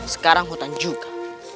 sekarang hutan juga